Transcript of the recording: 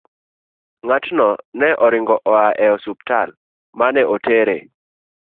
Ng'atno ne oringo oa e osiptal ma ne otere.